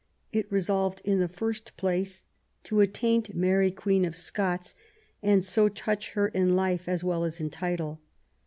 It resolved in the first place to attaint Mary Queen of Scots and so ''touch her in life as well as in title